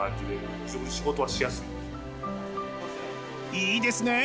いいですね。